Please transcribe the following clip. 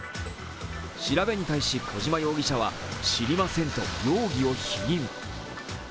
調べに対し小島容疑者は知りませんと容疑を否認。